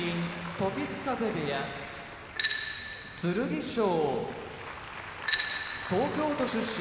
時津風部屋剣翔東京都出身